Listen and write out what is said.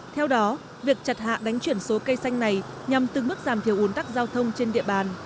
theo đó việc chặt hạ đánh chuyển số cây xanh này nhằm từng mức giảm thiểu ủn tắc giao thông trên địa bàn